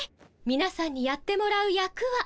みなさんにやってもらう役は。